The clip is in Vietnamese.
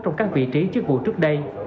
trong các vị trí chức vụ trước đây